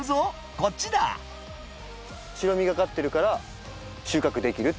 こっちだ白みがかってるから収穫できるってことですよね。